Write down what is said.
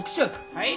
はい。